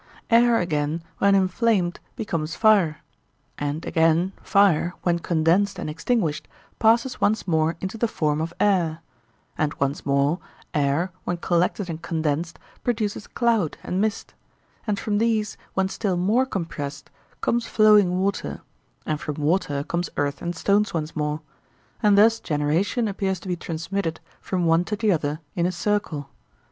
Air, again, when inflamed, becomes fire; and again fire, when condensed and extinguished, passes once more into the form of air; and once more, air, when collected and condensed, produces cloud and mist; and from these, when still more compressed, comes flowing water, and from water comes earth and stones once more; and thus generation appears to be transmitted from one to the other in a circle.